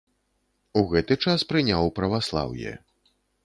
У гэты час прыняў праваслаўе.